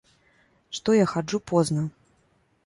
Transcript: Што я хаджу позна.